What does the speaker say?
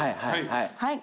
はい。